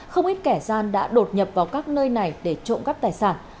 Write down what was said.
không ít kẻ gian đã đột nhập vào các nơi này để trộm cắp tài sản